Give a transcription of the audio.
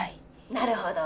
なるほど。